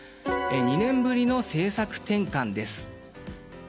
２年ぶりの政策転換です。